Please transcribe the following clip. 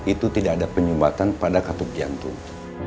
itu tidak ada penyumbatan pada katup jantung